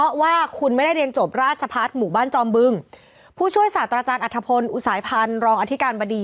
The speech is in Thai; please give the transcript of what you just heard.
อาจารย์อัฐพลอุสายพันธ์รองอธิการบดี